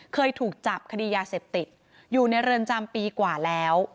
เคยถูกจับคดียาเสพติดอยู่ในเรือนจำปีกว่าแล้ว